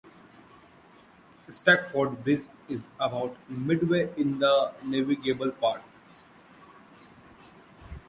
Stakeford bridge is about midway in the navigable part.